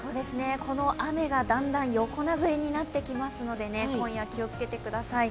この雨がだんだん横殴りになってきますので今夜、気をつけてください。